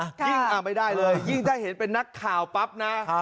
ยิ่งไม่ได้เลยยิ่งถ้าเห็นเป็นนักข่าวปั๊บนะ